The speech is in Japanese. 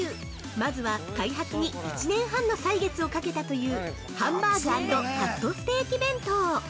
まずは、開発に１年半の歳月をかけたというハンバーグ＆カットステーキ弁当。